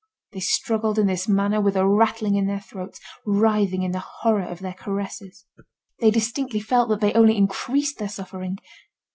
They struggled in this manner with a rattling in their throats, writhing in the horror of their caresses. They distinctly felt that they only increased their suffering.